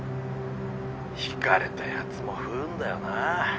ひかれたやつも不運だよな。